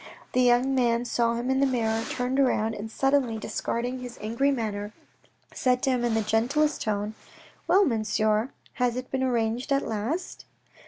The young man saw him in the mirror, turned round, and suddenly discarding his angry manner, said to him in the gentlest tone, " Well, Monsieur, has it been arranged at last